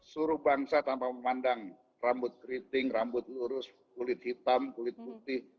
suruh bangsa tanpa memandang rambut keriting rambut lurus kulit hitam kulit putih